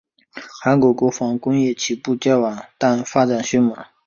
韩国国防工业起步较晚但发展迅猛。